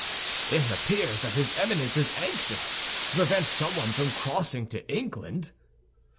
"It appears that his Eminence is anxious to prevent someone from crossing to England?"